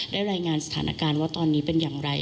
รายงานสถานการณ์ว่าตอนนี้เป็นอย่างไร